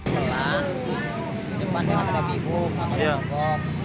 nah ini pas saya ada bibuk ada monggok